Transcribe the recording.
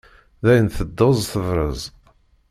Dayen teddez tebrez.